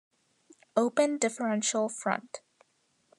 Open differential front.